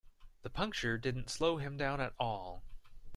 The puncture didn't slow him down at all.